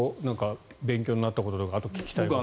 勉強になったこととか聞きたいことは。